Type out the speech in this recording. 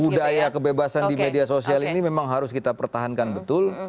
budaya kebebasan di media sosial ini memang harus kita pertahankan betul